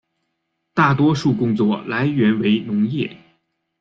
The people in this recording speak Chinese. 大多数工作来源为农业。